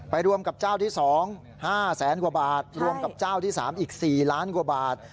รวมกับเจ้าที่๒๕แสนกว่าบาทรวมกับเจ้าที่๓อีก๔ล้านกว่าบาท